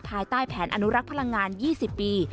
ภายใต้แผนอนุรักษ์พลังงาน๒๐ปี